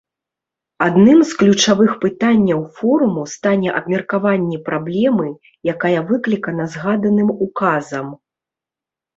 Адным з ключавых пытанняў форуму стане абмеркаванне праблемы, якая выклікана згаданым указам.